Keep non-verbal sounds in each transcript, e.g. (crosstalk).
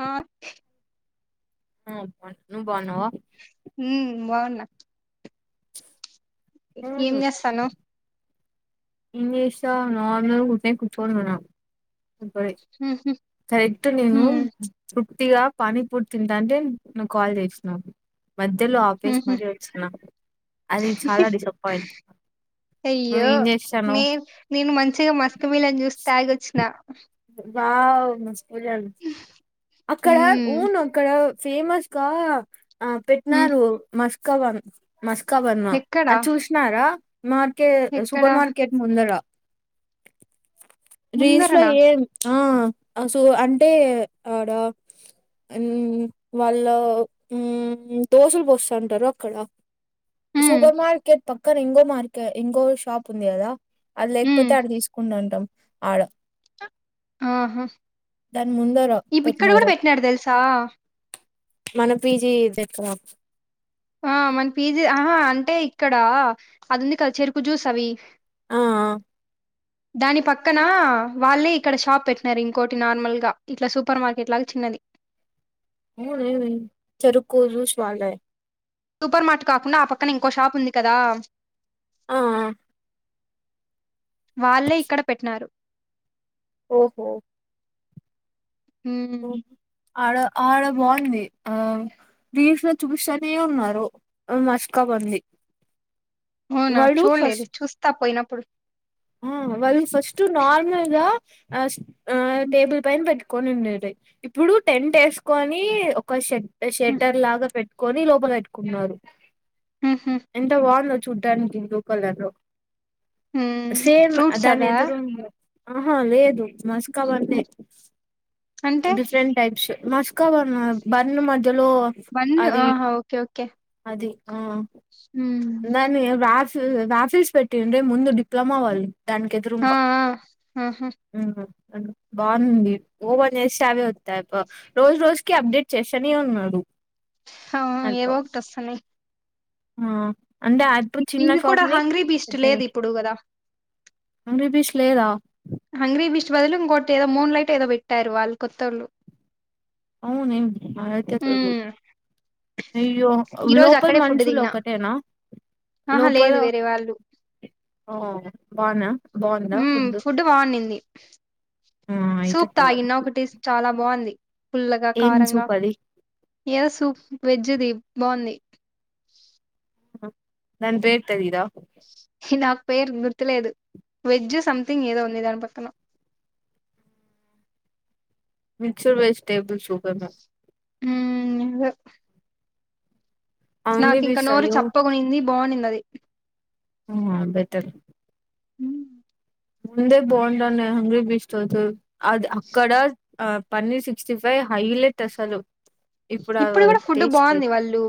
ఆ ఆ బాగున్న నువు బాగునవా హ్మ్ బాగున్నా ఏం ఉమ్. చేస్తున్నావ్ ఏం చేస్తా నార్మల్ గా కూర్చొని ఉన్న ఉహు కరెక్ట్ నేను ఉమ్ ఇగా పనీ పూర్ తింటంటే నువ్వు కాల్ చేసినావు మధ్యలో ఆపేసి ఉహు మరీ వచ్చిన అది చాలా డిసప్పాయింట్ నువ్వు అయ్యో ఏం చేస్తాన్నావ్ నే నేను మంచిగా మాస్క్ మిలియన్ జ్యూస్ తాగొచ్చిన వావ్ మాస్క్ మెలూన్ అక్కడ ఉమ్ ఊను అక్కడ ఫేమస్ గా ఆ ఉమ్ పెట్టినరూ మస్కవన్ మస్కావన్న ఎక్కడా అది చూసినారా మార్కెట్ ఎక్కడా సూపర్ మార్కెట్ ముందరా రీల్స్ లో ముందరనా ఏం ఆ అ సో అంటే ఆడ వాళ్ళ దోసలు పోస్తంటారు అక్కడ ఉమ్ సూపర్ మార్కెట్ పక్కన ఎంగో మార్కెట్ ఇకో షాప్ ఉంది కదా అది ఉమ్ లేకపోతే ఆడ తీసుకుంట ఉంటాం ఆడ ఆహా దాని ముందర ఇప్ ఇక్కడ కూడా పెట్టినారు. బెటినారు తెల్సా మన పీజీ (unintelligible) ఆ మన పీజీ ఆహా అంటే ఇక్కడ అది ఉంది కదా చెరుకు జ్యూస్ అవి ఆ! ఆ! దాని పక్కన వాళ్ళే ఇక్కడ షాప్ పెట్టినారు ఇంకోటి నార్మల్ గా ఇట్లా సూపర్ మార్కెట్ లాగా చిన్నది హూ హు హు చెరుకు జ్యూస్ వల్లేదే సూపర్ మార్ట్ కాకుండా ఆ పక్కన ఇంకో షాప్ ఉంది కదా ఆ ఆ వాళ్ళే ఇక్కడ పెట్టినారు ఓహో ఓహో! హ్మ్ ఆడ ఆడ బాగుంది ఆ రీల్స్ లో చూపిస్తనే ఉన్నారు మస్కా వన్ అని అవునా చూడలేదు చూస్తా పోయినప్పుడు ఆ వాళ్ళు ఫస్ట్ నార్మల్ గా ఆ ఆ టేబుల్ పైన పెట్టుకొని ఉండేది ఇప్పుడు టెంట్ వేసుకొని ఒక షె షెటర్ లాగా పెట్టుకొని లోపల పెట్టుకున్నారు ఉహు ఎంత బాగుందో చూడ్డానికి బ్లూ కలర్ లో హ్మ్ సేమ్ ఫ్రూట్స్ దాని అవా ఎదురుగా ఆహా లేదు మస్కా బన్ మ్మ్. అంటే డిఫరెంట్ టైప్స్ మస్కా బా బన్న మ ధ్యాలో బన్ అది ఆహా ఓకే ఓకే అది హ్మ్ దాన్ని రాఫి రాఫిల్స్ పెట్టీ ఉండే ముందు డిప్లొమా వాళ్ళు ఆ దానికెదురుగా ఆ ఆహా హూ బాగునుంది ఓపెన్ చేతే అవే వాతంది పో రోజు రోజుకి అప్డేట్ చేస్తానే ఉన్నాడు ఆ అయప్ప ఏవో ఒకటి ఆస్థానాయ్ ఆ అంటేప్పుడు చిన్న ఇది కూడా షాప్ ని హంగ్రీ బీస్ట్ లేదు ఇప్పుడు కదా లేదా హంగ్రీ బీస్ట్ బదులు ఇంకోటి ఏదో మూన్ లైట్ ఏదో పెట్టారు వాళ్ళు కొత్తోళ్ళు అవును ఏం (unintelligible) హ్మ్ అయ్యో ఈ రోజు లోపల అక్కడే ఫుడ్ మనుషులు తిన్నా ఒకటేనా ఆహా లోపల లేదు వేరే వాళ్ళు ఓ బాగున్నా బాగుందా ఉం ఫుడ్ బాఉన్నింది ఆ అయితే పర్వా సూప్తాగిన ఒకటి చాలా బావుంది పుల్లగా ఏం కారంగా సూప్ అది ఏదో సూప్ వెజ్ ది బావుంది దాన్ పేర్తెలీదా నాకు పేరు గుర్తులేదు వెజ్ సథింగ్ ఏదో ఉంది దాని పక్కన మిక్సడ్ వెజిటేబుల్స్ సూపెమొ ఉం అదే అంగడి నాకింక బీస్ నోరు అయ్యో చప్పగొనింది బాఉన్నింది ఉం బెటర్ మ్ ముందే (unintelligible) అది అక్కడ ఆ పన్నీర్ సిక్స్టీ ఫైవ్ హైలెట్ అసలు ఇప్పుడు గుడ ఫుడ్ టేస్ట్ లేదు బాఉంది వాళ్ళు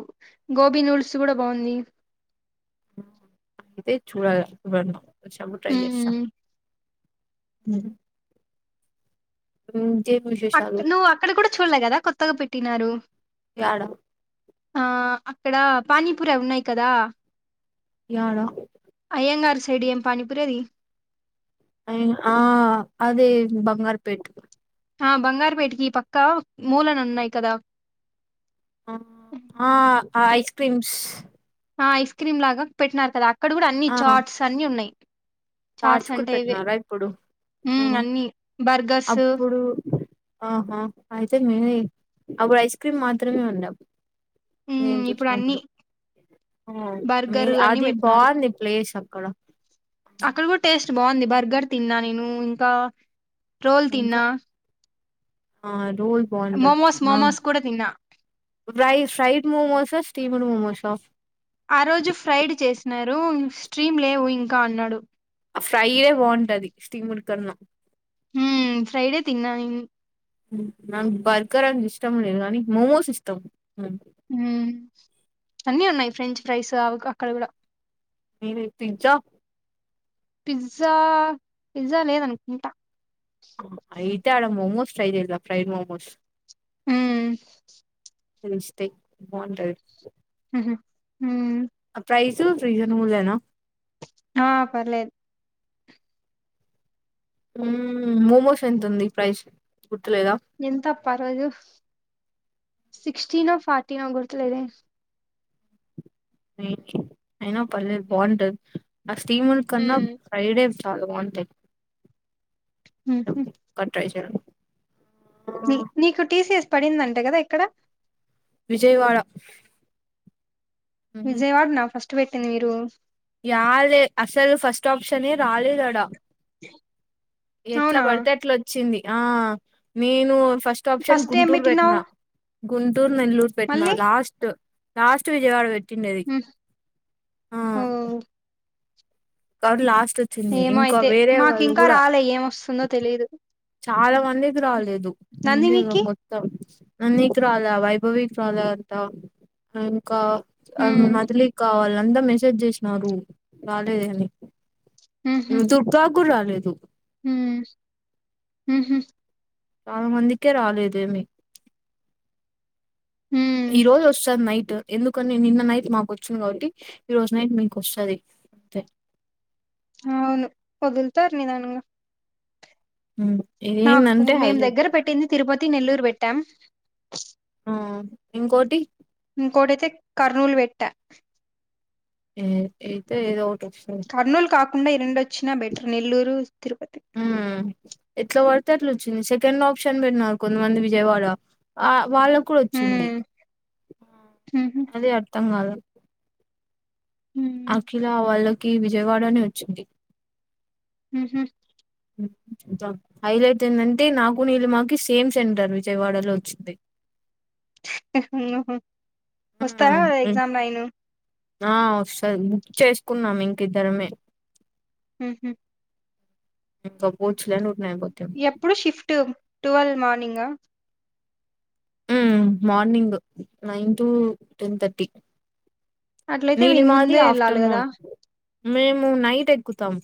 గోబీ నూడిల్స్ గుడ బాఉంది తే చూడ చూడలే నెక్ట్ టైం ట్రై చేస్తా మ్మ్ మ్ నమ్ అక్ నువ్వు అక్కడ గుడ చూడ్లే గదా కొత్తగా పెట్టినారు యాడ ఆ అక్కడ పానీపూరి అవున్నాయి కదా యాడ అయ్యంగార్ సైడ్ ఏం పానీపురది అయి ఆ అది బంగారుపేట్ ఆ బంగారుపేటకి పక్కా మూలనున్నాయి కదా అ ఆ ఐస్ క్రీమ్స్ ఆ ఐస్ క్రీమ్ లాగా పెట్టినారు గదా అక్కడ గూడా అన్ని చాట్స్ అన్ని ఉన్నాయి చాట్స్ కూడ్ అంటే ఇవే పెట్టినారా ఇప్పుడు మ్మ్ అన్ని బర్గర్స్ అప్పుడు ఆహా అయితే మే అప్పుడు ఐస్ క్రీమ్ మాత్రమే ఉండె నేను హ్మ్ ఇప్పుడు అన్ని చూసినప్పుడు బర్గర్ అన్ని అది పెట్టినారు బాఉంది ప్లేస్ కడ అక్కడ గుడ టేస్ట్ బావుంది బర్గర్ తిన్నా నేను ఇంకా రోల్ ఇంకా తిన్నా ఆ ర్ రోల్ మోమోస్ బాఉంటది మోమోస్ కూడా తిన్నా fry fried momos steamed momos ఆ రోజు ఫ్రైడ్ చేసినారు స్ట్రీమ్ లేవు ఇంకా అన్నాడు ఫ్రై ఎ బాఉంటాది స్టీమ్డ్ కన్నా హుం ఫ్రైడే తిన్నా నం బర్గర్ అంటే ఇష్టం లేదు కని మోమోస్ ఇష్టం అన్నీ ఉన్నయి ఫ్రెంచ్ ఫ్రైస్ అవి అక్కడ గుడ మీరె పిజ్జా పిజ్జా పిజ్జా లేదనుకుంటా అయితే ఆడ మోమోస్ ట్రై చేద్దాం ఫ్రైడ్ మొమోస్ మ్ స్టేక్ బావుంటది మ్హ్ మ్ ప్రైస్ ఫ్రీజనబుల్లెనా ఆ పర్లేదు మ్ మోమోస్ ఎంతుంది ఫ్రైస్ ఎంతప్ప రోజు సిక్స్టీీ నో ఫార్టీ నో గుర్తులేదే అయినా పర్లేదు బాగుంటది స్టీమ్డ్ కన్నా హ్మ్ ఫైడే. తలవాన్ంటేడ్. ఉమ్ ఉహు. ట్రై చేరన్. నీకు టీసీఎస్ పడిందంటా కదా ఎక్కడ. విజయవాడ. విజయవాడనా ఫస్ట్ పెట్టింది మీరు. యాల్దే అసలు ఫస్ట్ ఆప్షనే రాలేదడా. ఎట్లా అవునా పడితే అట్లా వచ్చింది ఆహ్ నేను. ఫస్ట్ ఆప్షన్ ఏం గుంటూరు పెట్టినావు పెట్నా. గుంటూరు నెల్లూరు పెట్టినా మళ్ళీ లాస్ట్ లాస్ట్ విజయవాడ పెట్ట్. తిన్నది ఉమ్, ఓ ఆహ్. కాబట్టి లాస్ట్. వచ్చింది ఏమో ఇంకా అయితే వేరే మాకు వాళ్ళు ఇంకా కూడా రాలే ఏమోస్తుందో తెలీదు. చాలా మందికి రాలేదు ఇంకా ఇక నందినికి మొత్తం. నా నీకు రాలే వైభవికి రాలేదంటా ఇంకా ఆహ్ ఉమ్, మదిలీకి కావాలి. వీళ్లంతా మెసేజ్ చేసినారు రాలేదాని ఉహు, ఉమ్ (unintelligible) కుర్ రాలేదు. ఉమ్ ఉమ్. చాలా మందికే రాలేదేమి. ఈ ఉమ్, రోజు వస్తది నైట్ ఎందుకని నిన్న నైట్ మాకు వచ్చింది. కాబట్టి ఈ రోజు నైట్ మీకు వస్తది. అంతే. అవును వదులుతారు నిదానంగా. ఉమ్, నాకు ఇదేందంటే మేము దగ్గర హైలైట్ పెట్టింది తిరుపతి నెల్లూరు పెట్టాం. ఆమ్ ఇంకోటి. ఇంకోటైతే కర్నూల్ వెట్టా. ఏ అయితే ఏదో ఒక్. కర్నూలు కాకుండా ఈ రెండు వచ్చినా బెటరే నెల్లూరు తిరుపతి. కట్లోచ్చింది సెకండ్ ఆప్షన్ పెట్టిన కొంతమంది విజయవాడ ఆహ్. వాళ్ళాకు కూడా వచ్చింది ఉమ్, ఉహు, అదే అర్థం కాలేదు. ఉమ్, అఖిలా వాళ్ళకి విజయవాడనే వచ్చింది. ఉహూ. హైలైట్ ఏందంటే నాకు నీలీమా కి సేమ్ సెంటర్ విజయవాడలో వచ్చింది. ఆహ్ వస్తారా ఉమ్, ఎగ్జామ్ నైన్. ఆ వస్తది బుక్ చేసుకున్నాం ఇంకిద్దరమే ఉహు ఇంక పో ఎప్పుడు షిఫ్ట్ ట్వల్వ్ మార్నింగా ఉ morning nine to ten thirty అట్లయితే మీరు నీలిమాది ముందే వెళ్ళాలి కదా ఆఫ్టర్నూన్ మేము నైట్ ఎక్కుతాం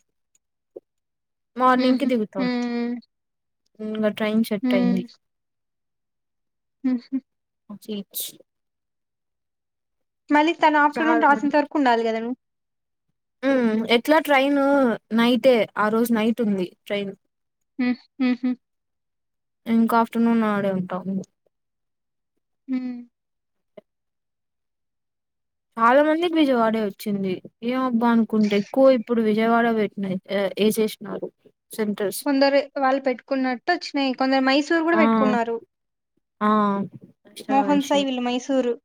మార్నింగ్కి ఉహు దిగుతాం ఉమ్ ఇంకా ట్రైన్ సెట్ ఉమ్ అయింది ఉహు చీజ్ మళ్ళీ తను ఆఫటర్నూన్ రాసేంత వరకు ఉండాలి కదా నువ్వు ఉ ఎట్లా ట్రైన్ నైటే ఆ రోజు నైట్ ఉంది ట్రైన్ ఉ ఉహు ఇంకా ఆఫ్టర్నూన్ ఆడే ఉంటాం ఉ చాలా మందికి విజయవాడే వచ్చింది ఏమబ్బా అనుకుంటే ఎక్కువ ఇప్పుడు విజయవాడ పెట్టిన ఏసేసినారు సెంటర్స్ కొందరు వాళ్ళు పెట్టుకున్నట్టు వచ్చినాయి కొందరు మైసూర్ కూడా ఆ పెట్టుకున్నారు ఆ అష్ట మోహన్ సై వెల్ మైసూరు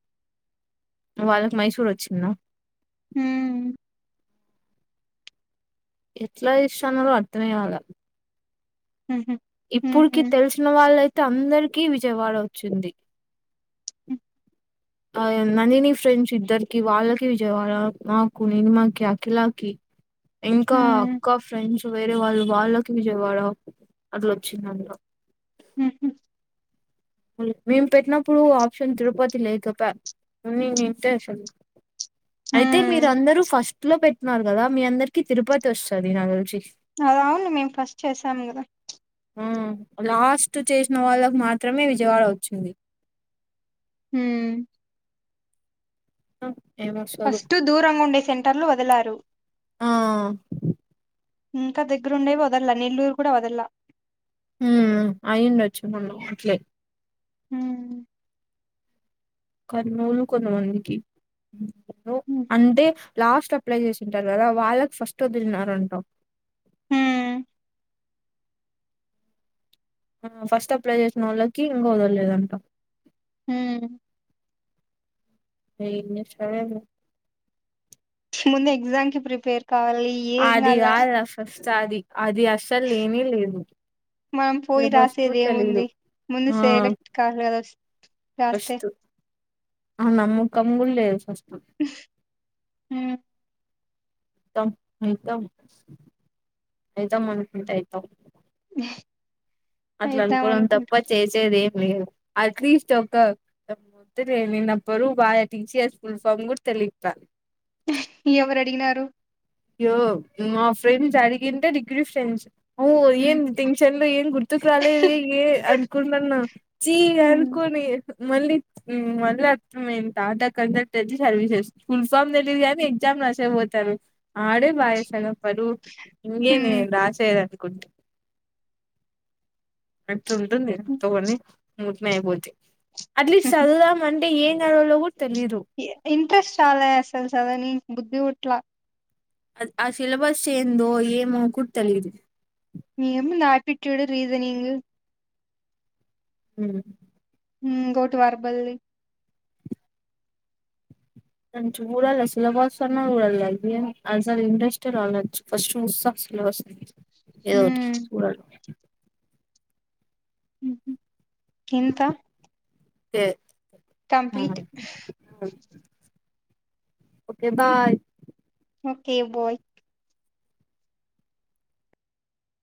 వాళ్ళకు మైసూర్ వచ్చింద హు ఎట్లా ఇష్టన్న అర్థంయ్వాల ఉహు ఇప్పుటికి ఉమ్ తెలిసిన వాళ్ళయితే అందరికీ విజయవాడ వచ్చింది ఆ నని నీ ఫ్రెండ్స్ ఇద్దరికి వాళ్ళకి విజయవాడ నాకు నిమాకి అఖిలాకి ఇంకా ఉమ్ అక్క ఫ్రెండ్స్ వేరే వాళ్ళు వాళ్ళకి విజేవాడ అట్లో వచ్చిందిందు ఉహు మేము పెట్టినప్పుడు ఆప్షన్ తిరుపతి లేకపోంతే అసలు అయితే ఉమ్ మీరు అందరూ ఫస్ట్ లో పెట్టిన్నారు కదా మీ అందరికి తిరుపతి వస్తుంది నా గులిజ అద అవును మేము ఫస్ట్ చేసాం కదా ఆ లాస్ట్ చేసిన వాళ్ళకు మాత్రమే విజయవాడ వచ్చింది హు ఆ ఫస్ట్ దూరంగా ఉండే సెంటర్లు వదలారు ఆ ఇంకా దగ్గరుండేవి వదల్లా నెల్లూరు కూడా వదల్లా ఉ అయిండొచ్చ మన్న అట్లే హ కర్నూలు కొను మదికి ఉమ్. అంటే లాస్ట్ అప్లై చేసింటారు కదా వాళ్ళకి ఫస్ట్ వ తన్నారంటా హ్మ్ ఫస్ట్ అప్లై చేసిన వాళ్ళకి ఇంకా వదలేదంట హ ఏ సరే ముందు ఎగ్జామ్ కి ప్రిపేర్ కావాలి ఏ ఇం అది కాాల కాదు ఫస్ట్ అది అది అస్సలు లేని లేదు మనం పోయి సిలబస్ రాసేది కూడా తెలీదు ఏముంది ముందు సెలెక్ట్ కాలదు కదా వ ఫస్ ఆ నమ్ కమ్ గుళ్ళే ఫస్ హ ం అవుతాం అవుతాం అనుకుంటా అవుతాం అట్లా అయిద్దాం అనుకోం అనుకుంట తప్ప చేసేది అట్లీస్ట్ ఒక నిన్నప్పుడు బాగా టీసీఆర్ ఫుల్ ఫామ్ కూడా లితాల ఎవరు అడిగినారు యో ఆ ఫ్రెండ్స్ అడిగింట డిగ్రీ ఫ్రెండ్స్ ఓ హ్మ్ ఏన్ టెన్షన్లు ఏన్ గుర్తుకు రాలేదుగ అనుకుంట నన్న చీగ హ్మ్ అనుకోని మళ్ళీ మళ్ళీ అ తట కన్సల్టె సర్వీసెస్ స్కూల్ ఫామ్ తెలిదు కాగానీ ఎగ్జామ్ రాశ పోతాను ఆడే బాయసనప్పడు ఇినే హ్మ్ ఆశ అదం అట్ ఉంటుంది హ్మ్. తకని మభూర్తి అట్లీస్ట్ చదువుదాం అంటే ఏ నడలో ఇంట్రెస్ట్ చాలా అసలు చదవని బుద్ధి ఒట్లా ఆ సిలబస్ ఏందు ఏమో కుట్ తెలి నేము ఎప్పిట్యూడ్ డు రీసనింగ్ హ హ గోటు వార్బల్లి చూడాలి సిలేబస్ అన్న చూడాలి ఐబి అసలు ఇంట్రెస్ట్ రాలేదు ఫస్ట్ చూస్తా సిలేబస్ ఏదో ఓటి హ్మ్ చూడాలి ఎంత ఏ complete okay bye okay bye